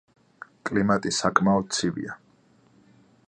კლიმატი საკმაოდ ცივია.